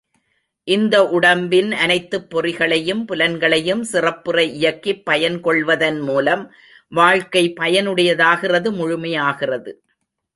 இந்த உடம்பின் அனைத்துப் பொறிகளையும் புலன்களையும் சிறப்புற இயக்கிப் பயன் கொள்வதன் மூலம் வாழ்க்கை பயனுடையதாகிறது முழுமையாகிறது.